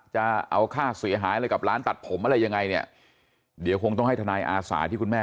จนกว่าสภาพจิตใจจะดีขึ้น